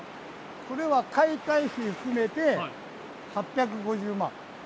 これは解体費含めて、８５０万。